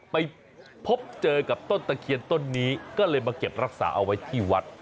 ไปพบเจอกับต้นตะเคียนต้นนี้ก็เลยมาเก็บรักษาเอาไว้ที่วัด